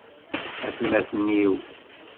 Atmaten-iw!